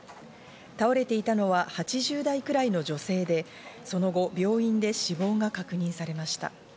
倒れていたのは８０代くらいの女性で、その後病院で死亡が確認されました。